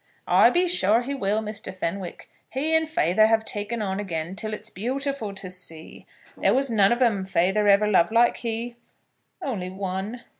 "I be sure he will, Mr. Fenwick. He and feyther have taken on again, till it's beautiful to see. There was none of 'em feyther ever loved like he, only one."